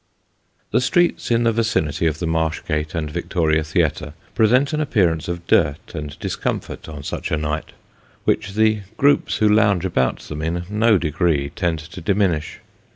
The streets in the vicinity of the Marsh Gate and Victoria Theatre present an appearance of dirt and discomfort on such a night, which the groups who lounge about them in no degree tend to diminish.